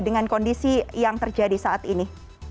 dengan kondisi yang terjadi saat ini